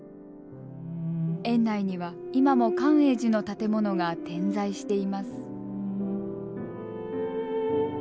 園内には今も寛永寺の建物が点在しています。